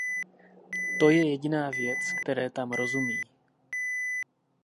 To je jediná věc, které tam rozumí.